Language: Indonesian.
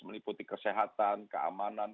meliputi kesehatan keamanan